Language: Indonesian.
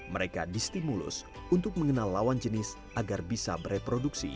mereka distimulus untuk mengenal lawan jenis agar bisa bereproduksi